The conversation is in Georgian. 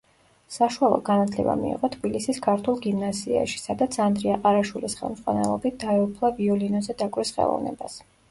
საშუალო განათლება მიიღო თბილისის ქართულ გიმნაზიაში, სადაც ანდრია ყარაშვილის ხელმძღვანელობით დაეუფლა ვიოლინოზე დაკვრის ხელოვნებას.